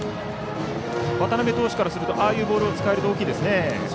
渡部投手からするとああいうボールを使えるとそうですね。